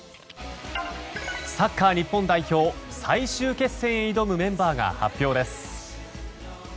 サッカー日本代表最終決戦へ挑むメンバーが発表です。